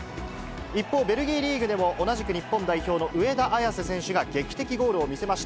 一方、ベルギーリーグでも同じく日本代表の上田綺世選手が劇的ゴールを見せました。